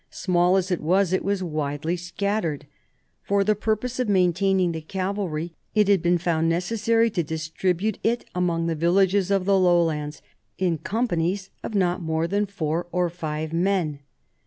Small as it Was, it was widely scattered. For the purpose of maintaining the cavalry, it had been found necessary to distribute it among the villages of the lowlands, in companies of not more than four or five men.